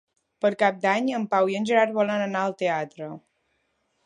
Per Cap d'Any en Pau i en Gerard volen anar al teatre.